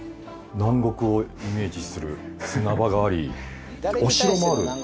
南国をイメージする砂場がありお城もある。